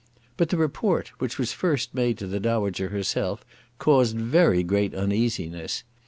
But the report, which was first made to the Dowager herself, caused very great uneasiness.